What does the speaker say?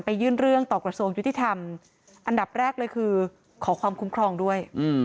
ยื่นเรื่องต่อกระทรวงยุติธรรมอันดับแรกเลยคือขอความคุ้มครองด้วย